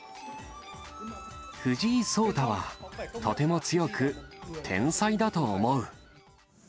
藤井聡太はとても強く天才だと思う。